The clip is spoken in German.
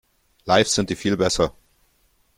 Live sind die viel besser.